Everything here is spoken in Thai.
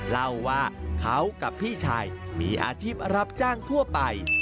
เล่าว่าเขากับพี่ชายมีอาชีพรับจ้างทั่วไป